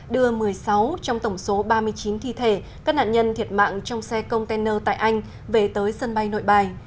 đưa một mươi sáu trong tổng số ba mươi chín thi thể các nạn nhân thiệt mạng trong xe container tại anh về tới sân bay nội bài